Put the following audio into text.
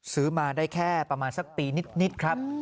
ซื้อมาได้แค่ประมาณสักปีนิดครับ